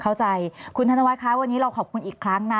เข้าใจคุณธนวัฒนคะวันนี้เราขอบคุณอีกครั้งนะ